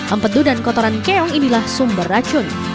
empedu dan kotoran keong inilah sumber racun